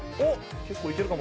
結構いけるかも。